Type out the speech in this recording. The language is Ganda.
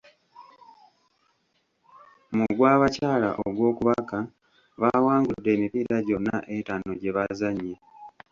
Mu gw'abakyala ogw'okubaka baawangudde emipiira gyonna etaano gyebaazanye.